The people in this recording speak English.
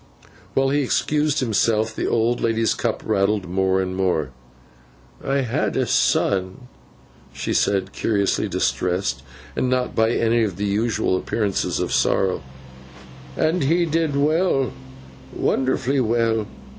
While he excused himself, the old lady's cup rattled more and more. 'I had a son,' she said, curiously distressed, and not by any of the usual appearances of sorrow; 'and he did well, wonderfully well.